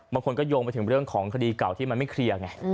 บางคนก็โยงไปถึงเรื่องของคดีเก่าที่มันไม่เคลียร์ไง